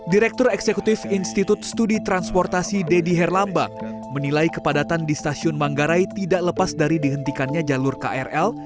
direktur eksekutif institut studi transportasi deddy herlambang menilai kepadatan di stasiun manggarai tidak lepas dari dihentikannya jalur krl